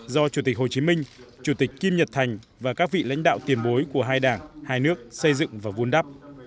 do chủ tịch hồ chí minh chủ tịch kim nhật thành và các vị lãnh đạo tiền bối của hai đảng hai nước xây dựng và vun đắp